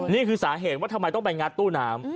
นี่คือสาเหตุว่าทำไมต้องไปงัดตู้น้ำ